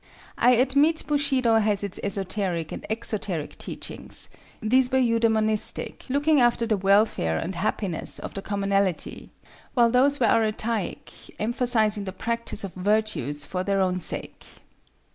I admit Bushido had its esoteric and exoteric teachings; these were eudemonistic, looking after the welfare and happiness of the commonalty, while those were aretaic, emphasizing the practice of virtues for their own sake.